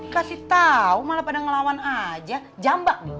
kasih tahu malah pada ngelawan aja jambak